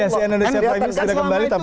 yang terlihat kan